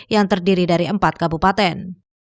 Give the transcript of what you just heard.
yang terdiri dari empat kabupaten